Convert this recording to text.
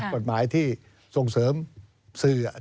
กฎหมายที่ทรงเสริมซื่อเนี่ย